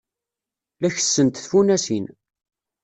La kessent tfunasin.